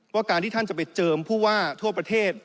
การที่ท่านจะไปเจิมผู้ว่าทั่วประเทศ